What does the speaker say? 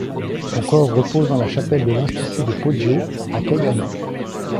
Son corps repose dans la chapelle de l'institut de Poggio a Caiano.